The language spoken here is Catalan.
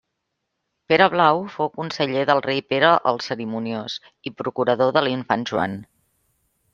Pere Blau fou conseller del rei Pere el Cerimoniós i procurador de l'infant Joan.